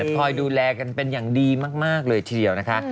คอยดูแลกันเป็นอย่างดีมากเลยทีเดียวนะคะ